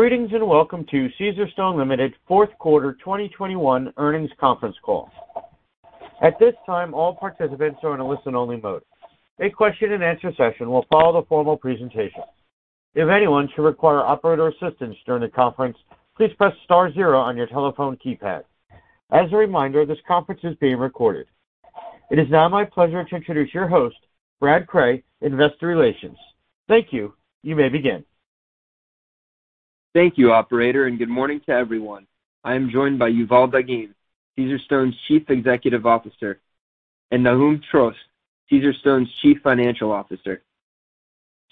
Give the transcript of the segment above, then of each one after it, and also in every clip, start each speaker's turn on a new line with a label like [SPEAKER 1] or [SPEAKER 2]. [SPEAKER 1] Greetings and welcome to Caesarstone Ltd. fourth quarter 2021 earnings conference call. At this time, all participants are in a listen-only mode. A question and answer session will follow the formal presentation. If anyone should require operator assistance during the conference, please press star zero on your telephone keypad. As a reminder, this conference is being recorded. It is now my pleasure to introduce your host, Brad Cray, Investor Relations. Thank you. You may begin.
[SPEAKER 2] Thank you, operator, and good morning to everyone. I am joined by Yuval Dagim, Caesarstone's Chief Executive Officer, and Nahum Trost, Caesarstone's Chief Financial Officer.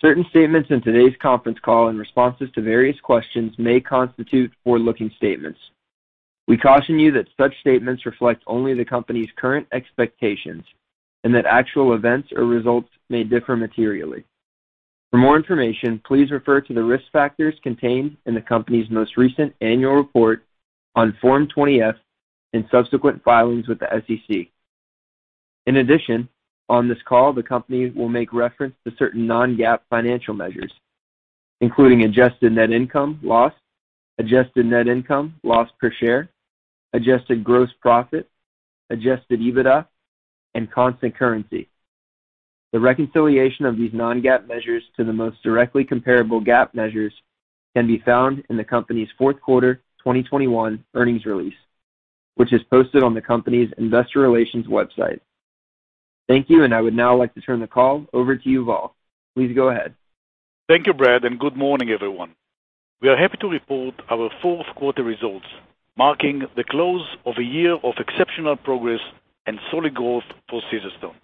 [SPEAKER 2] Certain statements in today's conference call and responses to various questions may constitute forward-looking statements. We caution you that such statements reflect only the company's current expectations and that actual events or results may differ materially. For more information, please refer to the risk factors contained in the company's most recent annual report on Form 20-F and subsequent filings with the SEC. In addition, on this call, the company will make reference to certain non-GAAP financial measures, including adjusted net income, loss, adjusted net income, loss per share, adjusted gross profit, adjusted EBITDA, and constant currency. The reconciliation of these non-GAAP measures to the most directly comparable GAAP measures can be found in the company's fourth quarter 2021 earnings release, which is posted on the company's investor relations website. Thank you, and I would now like to turn the call over to Yuval. Please go ahead.
[SPEAKER 3] Thank you, Brad, and good morning, everyone. We are happy to report our fourth quarter results, marking the close of a year of exceptional progress and solid growth for Caesarstone.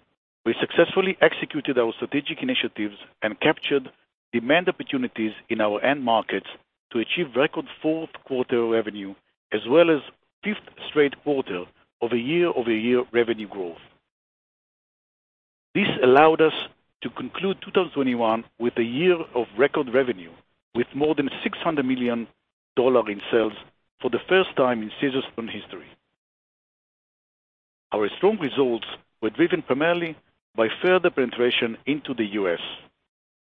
[SPEAKER 3] We successfully executed our strategic initiatives and captured demand opportunities in our end markets to achieve record fourth quarter revenue as well as fifth straight quarter of a year-over-year revenue growth. This allowed us to conclude 2021 with a year of record revenue with more than $600 million in sales for the first time in Caesarstone history. Our strong results were driven primarily by further penetration into the U.S.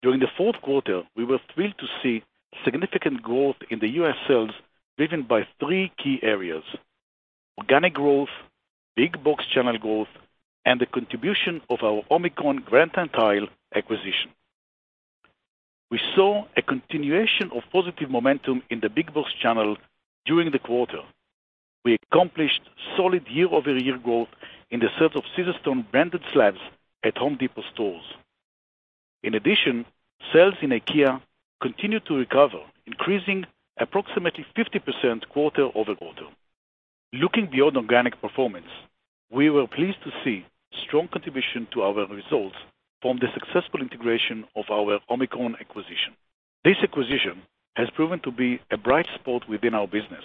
[SPEAKER 3] During the fourth quarter, we were thrilled to see significant growth in the U.S. sales driven by three key areas. Organic growth, big-box channel growth, and the contribution of our Omicron Granite & Tile acquisition. We saw a continuation of positive momentum in the big-box channel during the quarter. We accomplished solid year-over-year growth in the set of Caesarstone branded slabs at Home Depot stores. In addition, sales in IKEA continued to recover, increasing approximately 50% quarter-over-quarter. Looking beyond organic performance, we were pleased to see strong contribution to our results from the successful integration of our Omicron acquisition. This acquisition has proven to be a bright spot within our business,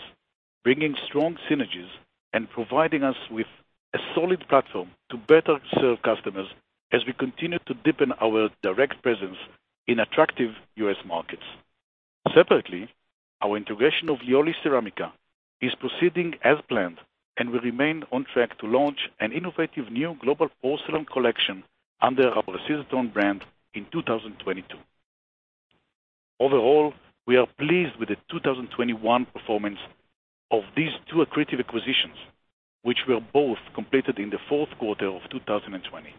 [SPEAKER 3] bringing strong synergies and providing us with a solid platform to better serve customers as we continue to deepen our direct presence in attractive U.S. markets. Separately, our integration of Lioli Ceramica is proceeding as planned and will remain on track to launch an innovative new global porcelain collection under our Caesarstone brand in 2022. Overall, we are pleased with the 2021 performance of these two accretive acquisitions, which were both completed in the fourth quarter of 2020.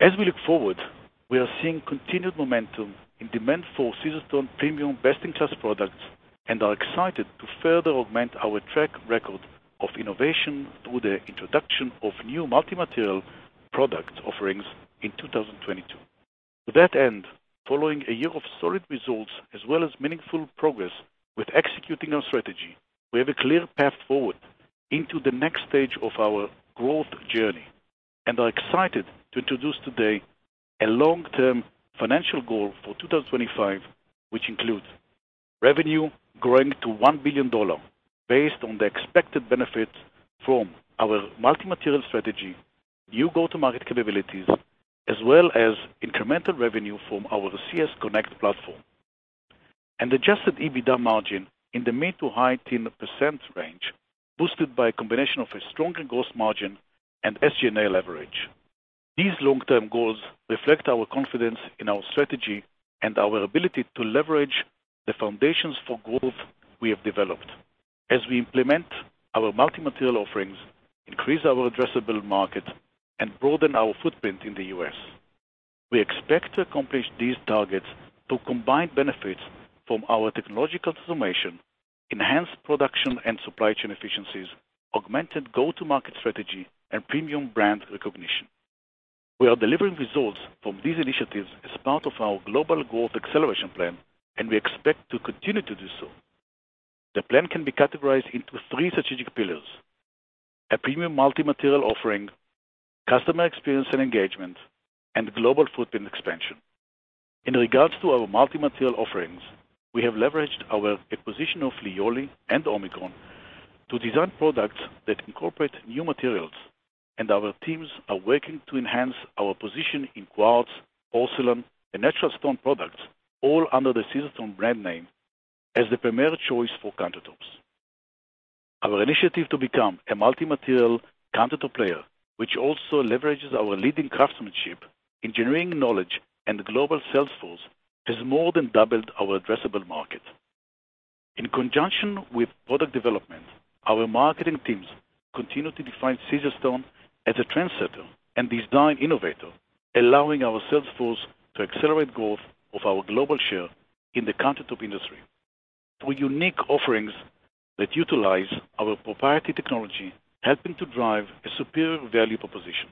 [SPEAKER 3] As we look forward, we are seeing continued momentum in demand for Caesarstone premium best-in-class products and are excited to further augment our track record of innovation through the introduction of new multi-material product offerings in 2022. To that end, following a year of solid results as well as meaningful progress with executing our strategy, we have a clear path forward into the next stage of our growth journey and are excited to introduce today a long-term financial goal for 2025, which includes revenue growing to $1 billion based on the expected benefits from our multi-material strategy, new go-to-market capabilities, as well as incremental revenue from our CS Connect platform. An adjusted EBITDA margin in the mid- to high-teens % range, boosted by a combination of a stronger gross margin and SG&A leverage. These long-term goals reflect our confidence in our strategy and our ability to leverage the foundations for growth we have developed. As we implement our multi-material offerings, increase our addressable market, and broaden our footprint in the US, we expect to accomplish these targets through combined benefits from our technological transformation, enhanced production and supply chain efficiencies, augmented go-to-market strategy, and premium brand recognition. We are delivering results from these initiatives as part of our global growth acceleration plan, and we expect to continue to do so. The plan can be categorized into three strategic pillars, a premium multi-material offering, customer experience and engagement, and global footprint expansion. In regards to our multi-material offerings, we have leveraged our acquisition of Lioli and Omicron to design products that incorporate new materials, and our teams are working to enhance our position in Quartz, Porcelain, and Natural Stone products, all under the Caesarstone brand name as the premier choice for countertop. Our initiative to become a multi-material countertop player, which also leverages our leading craftsmanship, engineering knowledge, and global sales force, has more than doubled our addressable market. In conjunction with product development, our marketing teams continue to define Caesarstone as a trendsetter and design innovator, allowing our sales force to accelerate growth of our global share in the countertop industry through unique offerings that utilize our proprietary technology, helping to drive a superior value proposition.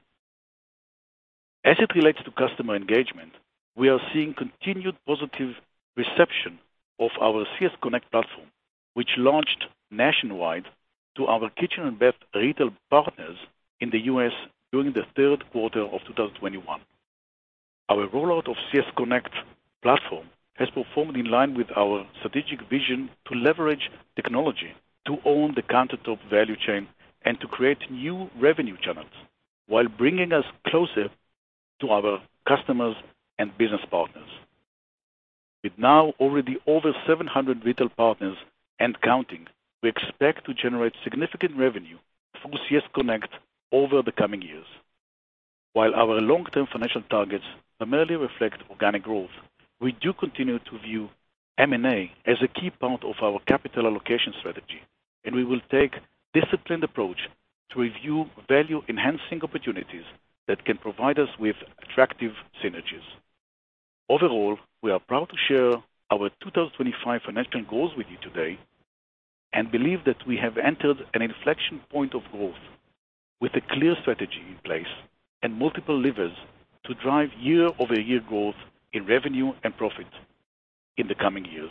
[SPEAKER 3] As it relates to customer engagement, we are seeing continued positive reception of our CS Connect platform, which launched nationwide to our kitchen and bath retail partners in the U.S. during the third quarter of 2021. Our rollout of CS Connect platform has performed in line with our strategic vision to leverage technology to own the countertop value chain and to create new revenue channels while bringing us closer to our customers and business partners. With now already over 700 retail partners and counting, we expect to generate significant revenue through CS Connect over the coming years. While our long-term financial targets primarily reflect organic growth, we do continue to view M&A as a key part of our capital allocation strategy, and we will take a disciplined approach to review value-enhancing opportunities that can provide us with attractive synergies. Overall, we are proud to share our 2025 financial goals with you today and believe that we have entered an inflection point of growth with a clear strategy in place and multiple levers to drive year-over-year growth in revenue and profit in the coming years.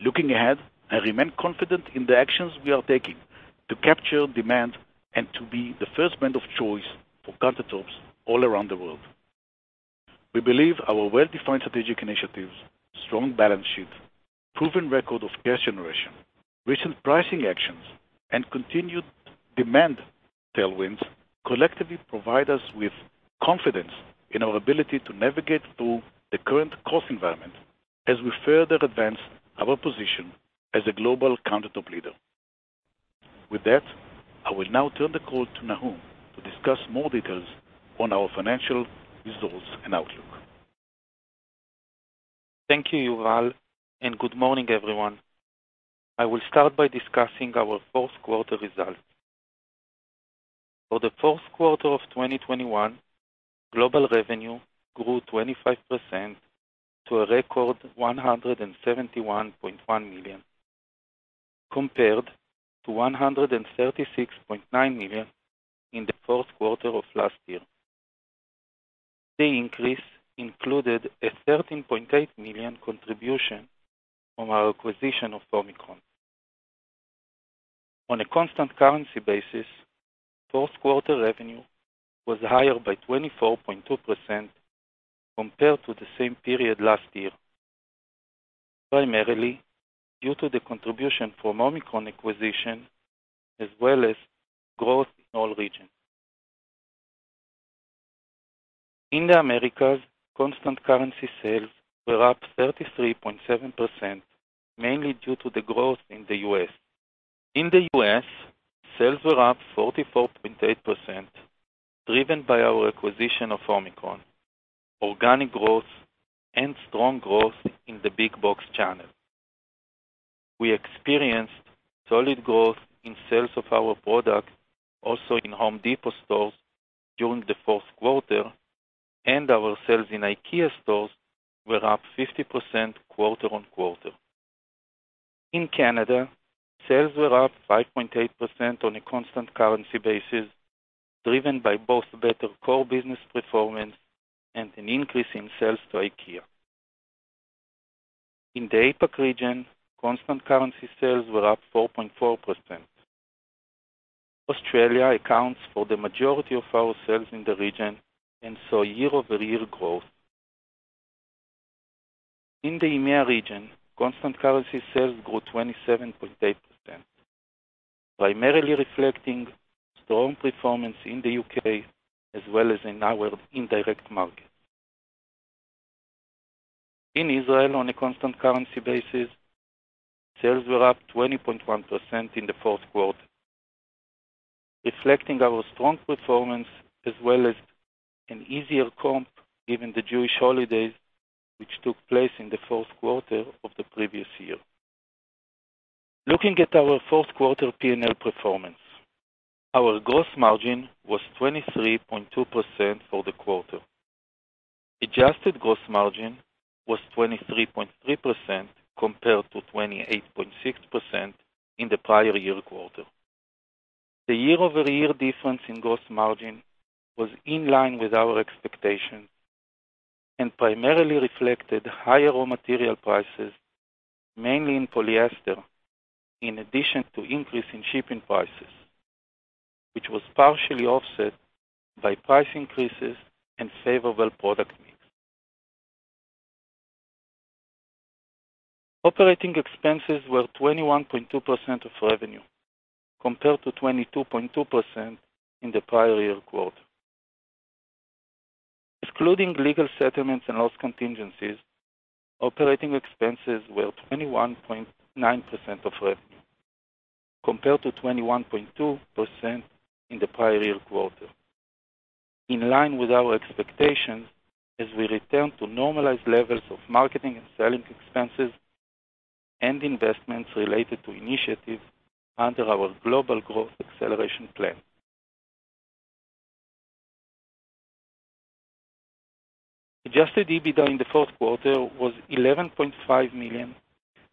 [SPEAKER 3] Looking ahead, I remain confident in the actions we are taking to capture demand and to be the first brand of choice for countertops all around the world. We believe our well-defined strategic initiatives, strong balance sheet, proven record of cash generation, recent pricing actions, and continued demand tailwinds collectively provide us with confidence in our ability to navigate through the current cost environment as we further advance our position as a global countertop leader. With that, I will now turn the call to Nahum to discuss more details on our financial results and outlook.
[SPEAKER 4] Thank you, Yuval, and good morning, everyone. I will start by discussing our fourth quarter results. For the fourth quarter of 2021, global revenue grew 25% to a record $171.1 million, compared to $136.9 million in the fourth quarter of last year. The increase included a $13.8 million contribution from our acquisition of Omicron. On a constant currency basis, fourth quarter revenue was higher by 24.2% compared to the same period last year, primarily due to the contribution from Omicron acquisition as well as growth in all regions. In the Americas, constant currency sales were up 33.7%, mainly due to the growth in the U.S. In the U.S., sales were up 44.8%, driven by our acquisition of Omicron, organic growth, and strong growth in the big box channel. We experienced solid growth in sales of our products also in Home Depot stores during the fourth quarter, and our sales in IKEA stores were up 50% quarter-over-quarter. In Canada, sales were up 5.8% on a constant currency basis, driven by both better core business performance and an increase in sales to IKEA. In the APAC region, constant currency sales were up 4.4%. Australia accounts for the majority of our sales in the region and saw year-over-year growth. In the EMEA region, constant currency sales grew 27.8%, primarily reflecting strong performance in the U.K. as well as in our indirect markets. In Israel, on a constant currency basis, sales were up 20.1% in the fourth quarter, reflecting our strong performance as well as an easier comp given the Jewish holidays, which took place in the fourth quarter of the previous year. Looking at our fourth quarter P&L performance, our gross margin was 23.2% for the quarter. Adjusted gross margin was 23.3% compared to 28.6% in the prior year quarter. The year-over-year difference in gross margin was in line with our expectations and primarily reflected higher raw material prices, mainly in polyester, in addition to increase in shipping prices, which was partially offset by price increases and favorable product mix. Operating expenses were 21.2% of revenue, compared to 22.2% in the prior year quarter. Excluding legal settlements and loss contingencies, operating expenses were 21.9% of revenue compared to 21.2% in the prior year quarter. In line with our expectations as we return to normalized levels of marketing and selling expenses and investments related to initiatives under our global growth acceleration plan. Adjusted EBITDA in the fourth quarter was $11.5 million,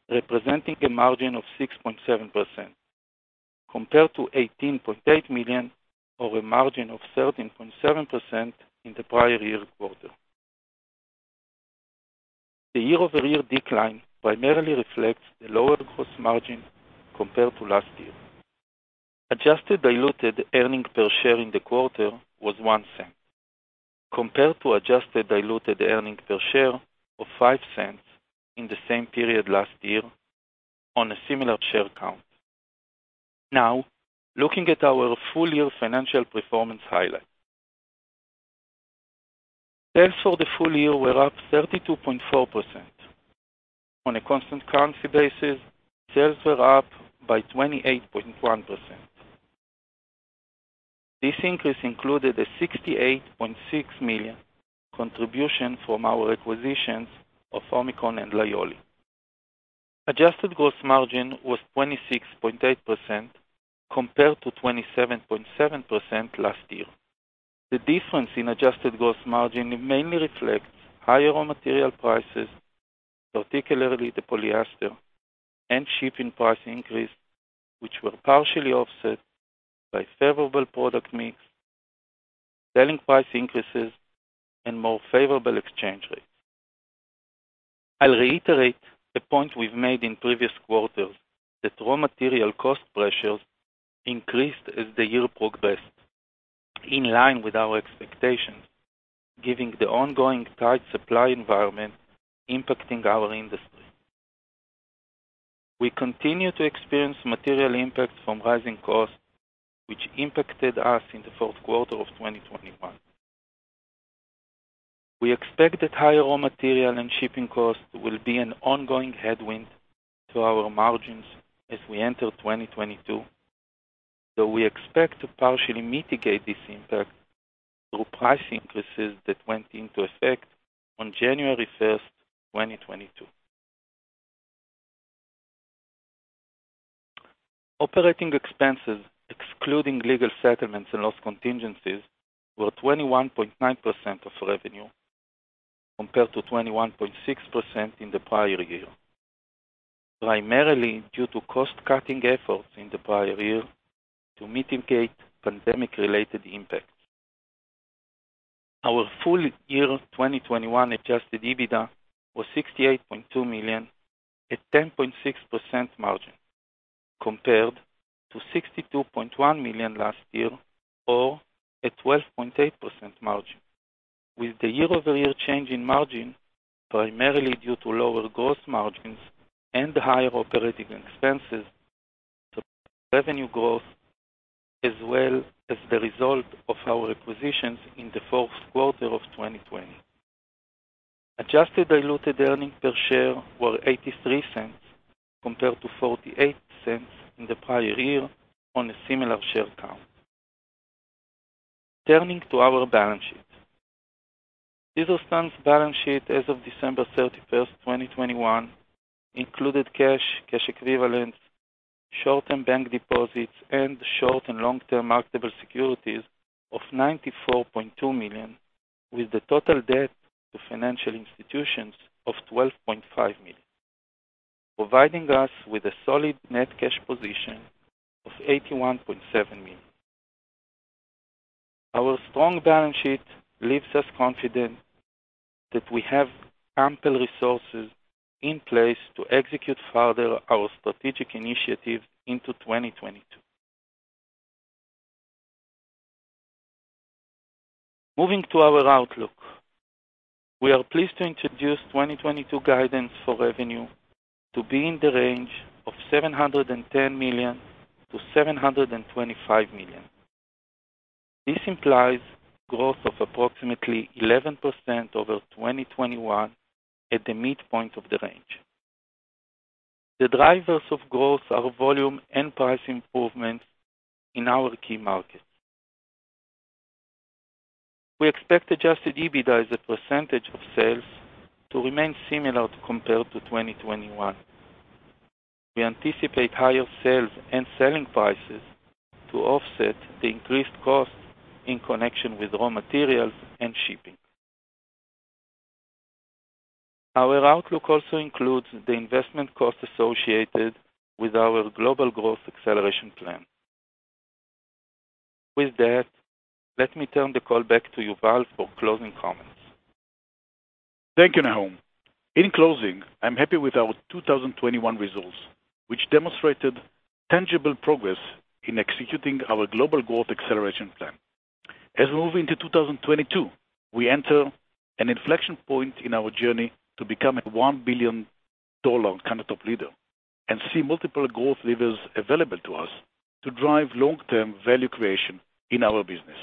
[SPEAKER 4] representing a margin of 6.7% compared to $18.8 million or a margin of 13.7% in the prior year quarter. The year-over-year decline primarily reflects the lower gross margin compared to last year. Adjusted diluted earnings per share in the quarter was $0.01 compared to adjusted diluted earnings per share of $0.05 in the same period last year on a similar share count. Now, looking at our full year financial performance highlights. Sales for the full year were up 32.4%. On a constant currency basis, sales were up by 28.1%. This increase included a $68.6 million contribution from our acquisitions of Omicron and Lioli. Adjusted gross margin was 26.8% compared to 27.7% last year. The difference in adjusted gross margin mainly reflects higher raw material prices, particularly the polyester and shipping price increase, which were partially offset by favorable product mix, selling price increases, and more favorable exchange rates. I'll reiterate a point we've made in previous quarters that raw material cost pressures increased as the year progressed, in line with our expectations, given the ongoing tight supply environment impacting our industry. We continue to experience material impact from rising costs, which impacted us in the fourth quarter of 2021. We expect that higher raw material and shipping costs will be an ongoing headwind to our margins as we enter 2022, though we expect to partially mitigate this impact through price increases that went into effect on January 1, 2022. Operating expenses, excluding legal settlements and loss contingencies, were 21.9% of revenue compared to 21.6% in the prior year, primarily due to cost-cutting efforts in the prior year to mitigate pandemic-related impacts. Our full year 2021 adjusted EBITDA was $68.2 million, a 10.6% margin, compared to $62.1 million last year or a 12.8% margin. With the year-over-year change in margin primarily due to lower gross margins and higher operating expenses, so revenue growth as well as the result of our acquisitions in the fourth quarter of 2020. Adjusted diluted earnings per share were $0.83 compared to $0.48 in the prior year on a similar share count. Turning to our balance sheet. Caesarstone's balance sheet as of December 31, 2021, included cash equivalents, short-term bank deposits, and short and long-term marketable securities of $94.2 million, with the total debt to financial institutions of $12.5 million, providing us with a solid net cash position of $81.7 million. Our strong balance sheet leaves us confident that we have ample resources in place to execute further our strategic initiatives into 2022. Moving to our outlook. We are pleased to introduce 2022 guidance for revenue to be in the range of $710 million-$725 million. This implies growth of approximately 11% over 2021 at the midpoint of the range. The drivers of growth are volume and price improvements in our key markets. We expect adjusted EBITDA as a percentage of sales to remain similar compared to 2021. We anticipate higher sales and selling prices to offset the increased costs in connection with raw materials and shipping. Our outlook also includes the investment costs associated with our global growth acceleration plan. With that, let me turn the call back to Yuval for closing comments.
[SPEAKER 3] Thank you, Nahum. In closing, I'm happy with our 2021 results, which demonstrated tangible progress in executing our global growth acceleration plan. As we move into 2022, we enter an inflection point in our journey to becoming a $1 billion kind of top leader, and see multiple growth levers available to us to drive long-term value creation in our business.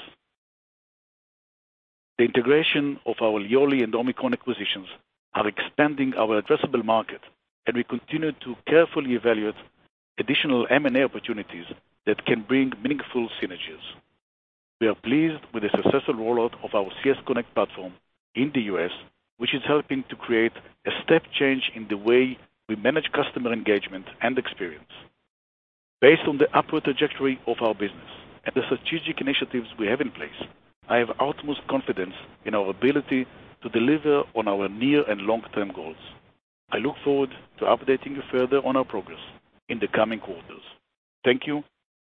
[SPEAKER 3] The integration of our Lioli and Omicron acquisitions are expanding our addressable market, and we continue to carefully evaluate additional M&A opportunities that can bring meaningful synergies. We are pleased with the successful rollout of our CS Connect platform in the U.S., which is helping to create a step change in the way we manage customer engagement and experience. Based on the upward trajectory of our business, and the strategic initiatives we have in place, I have utmost confidence in our ability to deliver on our near and long-term goals. I look forward to updating you further on our progress in the coming quarters. Thank you,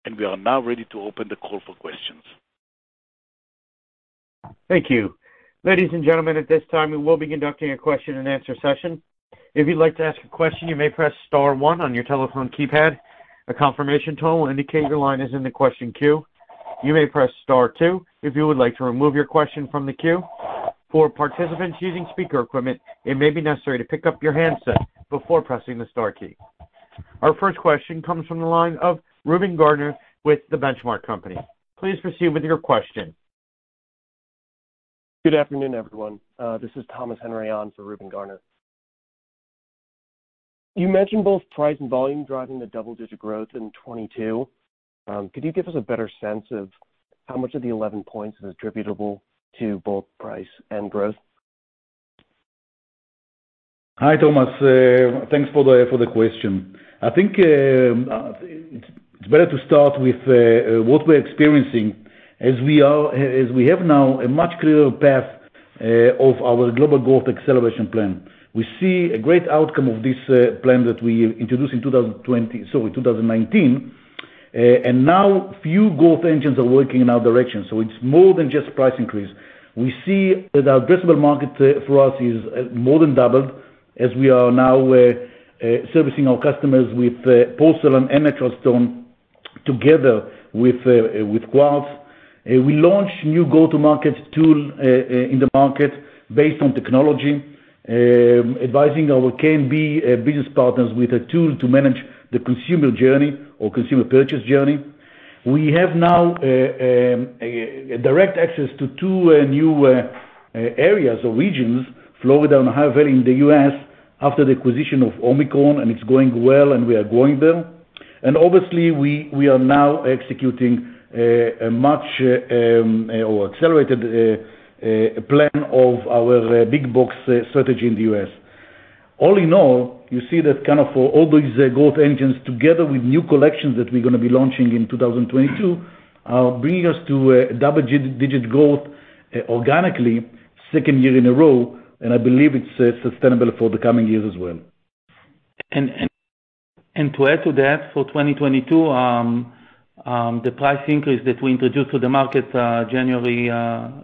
[SPEAKER 3] and we are now ready to open the call for questions.
[SPEAKER 1] Thank you. Ladies and gentlemen, at this time, we will be conducting a question and answer session. If you'd like to ask a question, you may press star one on your telephone keypad. A confirmation tone will indicate your line is in the question queue. You may press star two if you would like to remove your question from the queue. For participants using speaker equipment, it may be necessary to pick up your handset before pressing the star key. Our first question comes from the line of Reuben Garner with The Benchmark Company. Please proceed with your question.
[SPEAKER 5] Good afternoon, everyone. This is Thomas Henry on for Reuben Garner. You mentioned both price and volume driving the double-digit growth in 2022. Could you give us a better sense of how much of the 11 points is attributable to both price and growth?
[SPEAKER 3] Hi, Thomas. Thanks for the question. I think it's better to start with what we're experiencing as we have now a much clearer path of our global growth acceleration plan. We see a great outcome of this plan that we introduced in 2020, sorry, 2019. Now few growth engines are working in our direction, so it's more than just price increase. We see that our addressable market for us is more than doubled, as we are now servicing our customers with Porcelain and Natural Stone together with Quartz. We launched new go-to-market tool in the market based on technology, advising our K&B business partners with a tool to manage the consumer journey or consumer purchase journey. We have now a direct access to two new areas or regions, Florida and Ohio Valley in the U.S. after the acquisition of Omicron, and it's going well, and we are growing there. Obviously we are now executing a much more accelerated plan of our big-box strategy in the U.S. All in all, you see that kind of all these growth engines together with new collections that we're gonna be launching in 2022, bringing us to a double-digit growth organically second year in a row, and I believe it's sustainable for the coming years as well.
[SPEAKER 4] To add to that, for 2022, the price increase that we introduced to the market, January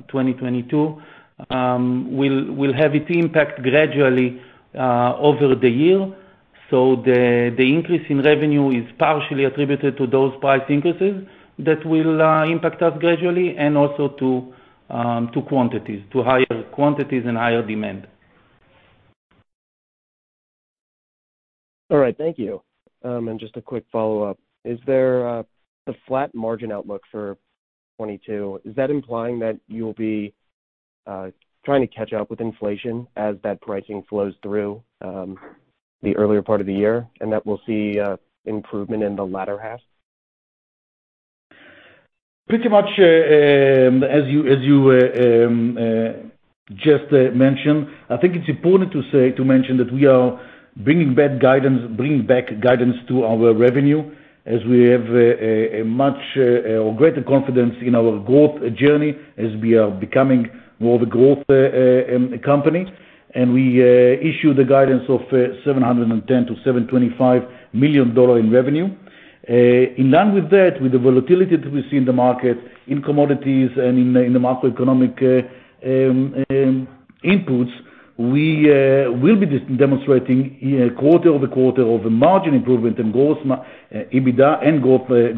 [SPEAKER 4] 2022, will have its impact gradually over the year. The increase in revenue is partially attributed to those price increases that will impact us gradually and also to quantities, to higher quantities and higher demand.
[SPEAKER 5] All right. Thank you. Just a quick follow-up. Is the flat margin outlook for 2022 implying that you'll be trying to catch up with inflation as that pricing flows through the earlier part of the year, and that we'll see improvement in the latter half?
[SPEAKER 3] Pretty much, as you just mentioned. I think it's important to mention that we are bringing back guidance to our revenue as we have a much greater confidence in our growth journey as we are becoming more of a growth company. We issue the guidance of $710 million-$725 million in revenue. In line with that, with the volatility that we see in the market in commodities and in the macroeconomic inputs, we will be demonstrating year-over-year, quarter-over-quarter margin improvement and gross margin, EBITDA and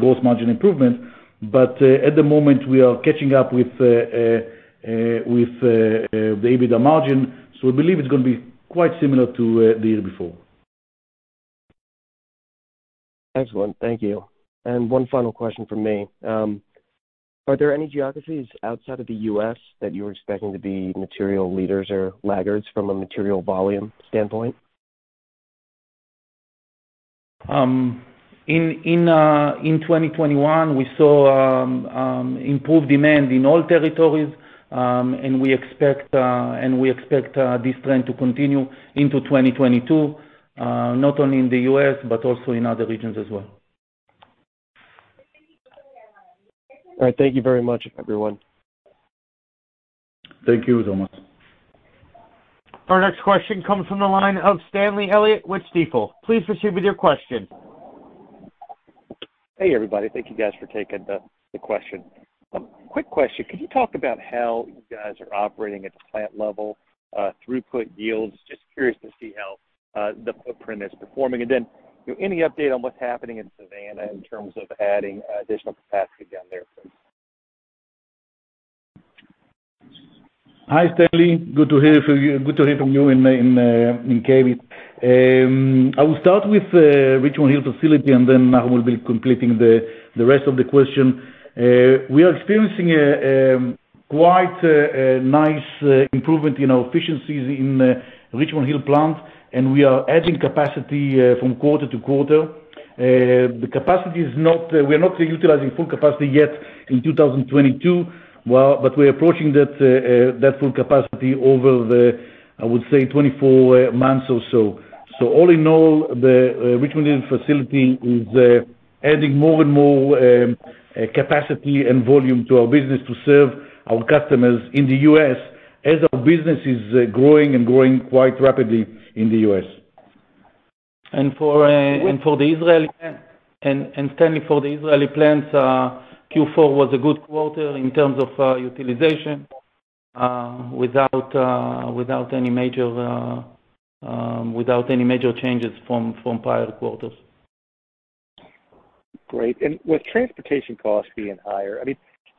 [SPEAKER 3] gross margin improvement. At the moment, we are catching up with the EBITDA margin, so I believe it's gonna be quite similar to the year before.
[SPEAKER 5] Excellent. Thank you. One final question from me. Are there any geographies outside of the U.S. that you're expecting to be material leaders or laggards from a material volume standpoint?
[SPEAKER 4] In 2021, we saw improved demand in all territories, and we expect this trend to continue into 2022, not only in the U.S., but also in other regions as well.
[SPEAKER 5] All right. Thank you very much, everyone.
[SPEAKER 3] Thank you, Thomas.
[SPEAKER 1] Our next question comes from the line of Stanley Elliott with Stifel. Please proceed with your question.
[SPEAKER 6] Hey, everybody. Thank you guys for taking the question. Quick question. Can you talk about how you guys are operating at the plant level, throughput yields? Just curious to see how the footprint is performing. Then, you know, any update on what's happening in Savannah in terms of adding additional capacity down there please?
[SPEAKER 3] Hi, Stanley. Good to hear from you in. [inaudible] I will start with Richmond Hill facility, and then Nahum will be completing the rest of the question. We are experiencing quite a nice improvement in our efficiencies in Richmond Hill plant, and we are adding capacity from quarter to quarter. We are not utilizing full capacity yet in 2022. Well, but we're approaching that full capacity over the, I would say 24 months or so. All in all, the Richmond Hill facility is adding more and more capacity and volume to our business to serve our customers in the U.S. as our business is growing and growing quite rapidly in the U.S.
[SPEAKER 4] Stanley, for the Israeli plants, Q4 was a good quarter in terms of utilization, without any major changes from prior quarters.
[SPEAKER 6] Great. With transportation costs being higher, I mean,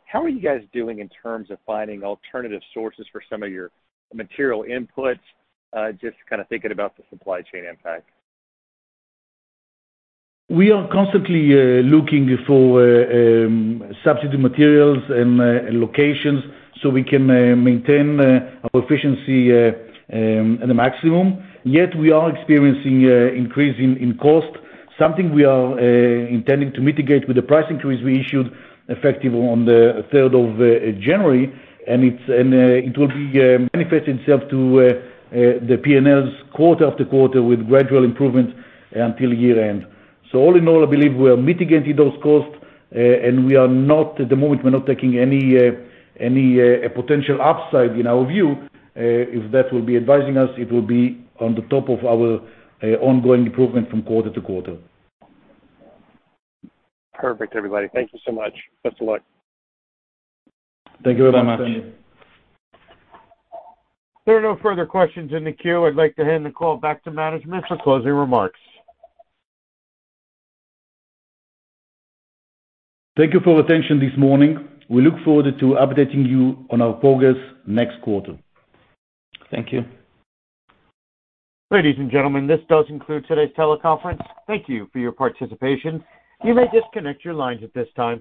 [SPEAKER 6] how are you guys doing in terms of finding alternative sources for some of your material inputs? Just kind of thinking about the supply chain impact.
[SPEAKER 3] We are constantly looking for substitute materials and locations so we can maintain our efficiency at a maximum. Yet, we are experiencing increase in cost, something we are intending to mitigate with the price increase we issued effective on the third of January. It will manifest itself in the P&Ls quarter after quarter with gradual improvements until year-end. All in all, I believe we are mitigating those costs and we are not taking any potential upside in our view at the moment. If that arises for us, it will be on top of our ongoing improvement from quarter to quarter.
[SPEAKER 6] Perfect, everybody. Thank you so much. Best of luck.
[SPEAKER 3] Thank you very much.
[SPEAKER 4] Thank you.
[SPEAKER 1] There are no further questions in the queue. I'd like to hand the call back to management for closing remarks.
[SPEAKER 3] Thank you for your attention this morning. We look forward to updating you on our progress next quarter.
[SPEAKER 4] Thank you.
[SPEAKER 1] Ladies and gentlemen, this does conclude today's teleconference. Thank you for your participation. You may disconnect your lines at this time.